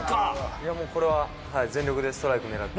いやもうこれは全力でストライク狙って。